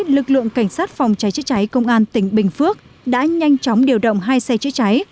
lực lượng cảnh sát phòng cháy chữa cháy công an tỉnh bình phước đã nhanh chóng điều động hai xe chữa cháy